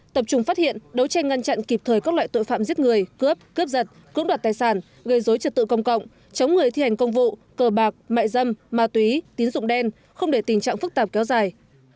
tập trung phát hiện đấu tranh ngăn chặn kịp thời các loại tội phạm giết người cướp cướp giật cướp đoạt tài sản gây dối trật tự công cộng chống người thi hành công vụ cờ bạc mại dâm ma túy tín dụng đen không để tình trạng phức tạp kéo dài